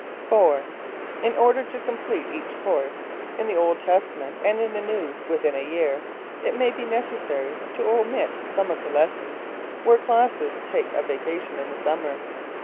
4. In order to complete each course, in the Old Testament and in the New, within a year, it may be necessary to omit some of the lessons, where classes take a vacation in the summer.